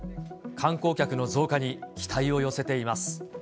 観光客の増加に期待を寄せています。